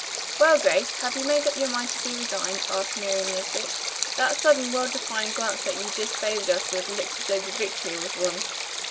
"Well, Grace, have you made up your mind to be resigned?" asked Miriam Nesbit. "That sudden world defying glance that you just favored us with looks as though the victory was won."